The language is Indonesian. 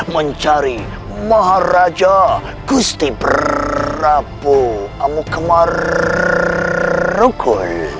mencari maharaja gusti prabu amukamarukul